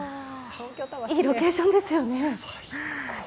いいロケーションですよね。